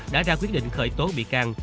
đã ra quyết định khởi tố bị can